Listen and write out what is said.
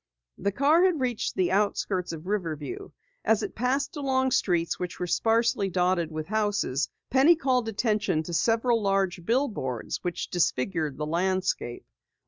The car had reached the outskirts of Riverview. As it passed along streets which were sparsely dotted with houses, Penny called attention to several large billboards which disfigured the landscape.